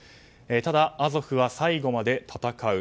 ただ、アゾフは最後まで戦う。